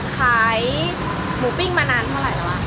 ขายหมูปิ้งมานานเท่าไหร่แล้ววะ